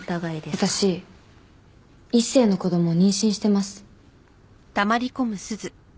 私一星の子供を妊娠してます。